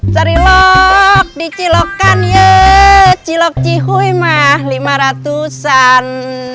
sarilok dicilokkan ye cilok cihuy mah limaratusan